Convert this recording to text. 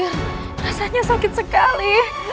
rasanya sakit sekali